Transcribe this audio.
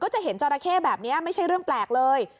จะเห็นจอราเข้แบบนี้ไม่ใช่เรื่องแปลกเลย